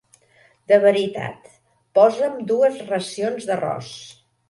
De veritat, posa'm dues racions d'arròs.